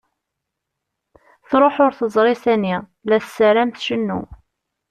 Truḥ ur teẓri sani, la tessaram tcennu.